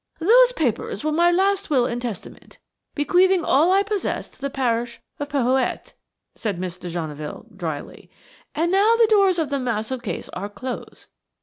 "Those papers were my last will and testament, bequeathing all I possess to the parish of Porhoët," said Miss de Genneville, dryly, "and now the doors of the massive case are closed.